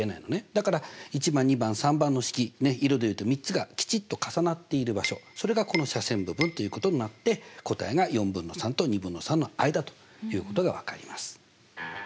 だから１番２番３番の式色で言うと３つがきちっと重なっている場所それがこの斜線部分ということになって答えが４分の３と２分の３の間ということがわかります。